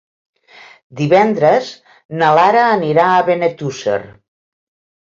Divendres na Lara anirà a Benetússer.